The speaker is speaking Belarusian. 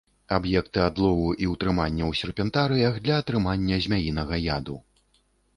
Аб'екты адлову і ўтрымання ў серпентарыях для атрымання змяінага яду.